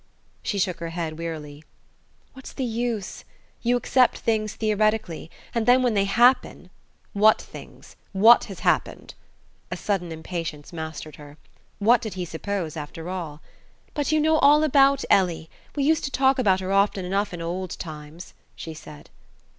She shook her head wearily. "What's the use? You accept things theoretically and then when they happen...." "What things? What has happened!" A sudden impatience mastered her. What did he suppose, after all ? "But you know all about Ellie. We used to talk about her often enough in old times," she said.